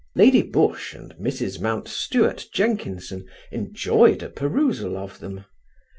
Lady Busshe and Mrs. Mountstuart Jenkinson enjoyed a perusal of them.